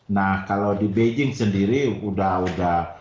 nah kalau di beijing sendiri sudah